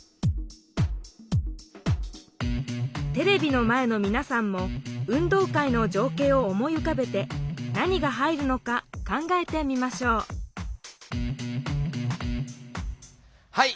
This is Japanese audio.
テレビの前のみなさんも運動会のじょうけいを思いうかべて何が入るのか考えてみましょうはい！